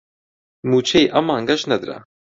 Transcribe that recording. مووچەی ئەم مانگەش نەدرا